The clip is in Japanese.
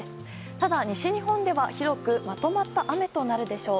ただ、西日本では広くまとまった雨となるでしょう。